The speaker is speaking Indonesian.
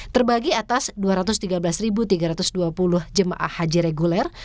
terbagi atas dua ratus tiga belas tiga ratus dua puluh jemaah haji reguler